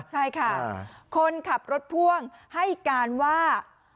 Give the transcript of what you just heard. ใช่ค่ะคนขับรถพ่วงให้การว่า